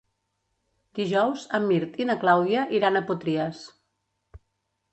Dijous en Mirt i na Clàudia iran a Potries.